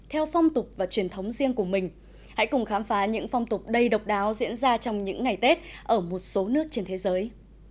theo phong tục và truyền thống riêng của mình hãy cùng khám phá những phong tục đầy độc đáo diễn ra trong những ngày tết ở một số nước trên thế giới